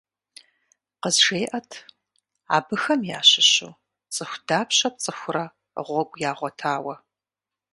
КъызжеӀэт: абыхэм ящыщу цӏыху дапщэ пцӀыхурэ гъуэгу ягъуэтауэ?